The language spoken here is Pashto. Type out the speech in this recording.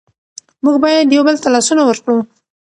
موږ باید یو بل ته لاسونه ورکړو.